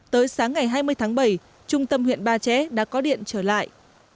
tới sáng ngày hai mươi tháng bảy trung tâm huyện ba trẻ đã có điện trở lại